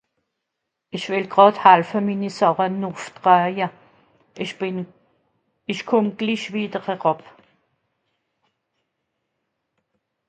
Ìch wìll gràd helfe, mini Sàche nùff traawe, ìch kùmm no glich eràb.